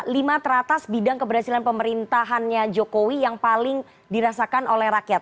lima teratas bidang keberhasilan pemerintahannya jokowi yang paling dirasakan oleh rakyat